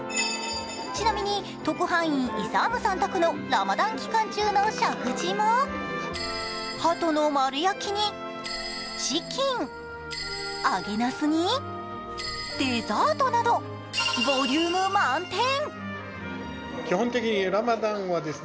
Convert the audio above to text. ちなみに特派員、イサームさん宅のラマダン期間中の食事もはとの丸焼きにチキン、揚げなすにデザートなど、ボリューム満点。